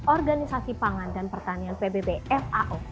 organisasi pangan dan pertanian pbb fao